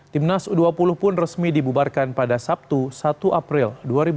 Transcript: timnas u dua puluh pun resmi dibubarkan pada sabtu satu april dua ribu dua puluh